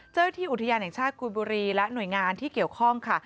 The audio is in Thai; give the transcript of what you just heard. เจ้าหน้าที่อุทยานแห่งชาติกุยบุรีและหน่วยงานที่เกี่ยวข้องค่ะ